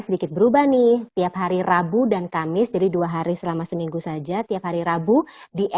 sedikit berubah nih tiap hari rabu dan kamis jadi dua hari selama seminggu saja tiap hari rabu di